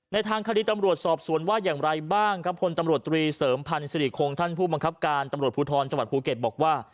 ทางคดีตำรวจสอบสวนว่าอย่างไรบ้างครับพลตำรวจตรีเสริมพันธ์สิริคงท่านผู้บังคับการตำรวจภูทรจังหวัดภูเก็ตบอกว่า